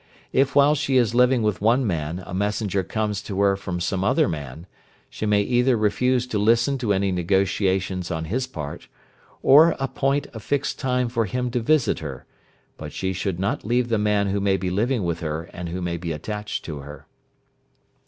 If while she is living with one man a messenger comes to her from some other man, she may either refuse to listen to any negotiations on his part, or appoint a fixed time for him to visit her, but she should not leave the man who may be living with her and who may be attached to her."